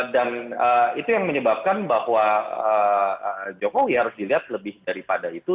dan itu yang menyebabkan bahwa jokowi harus dilihat lebih daripada itu